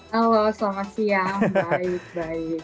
halo selamat siang baik baik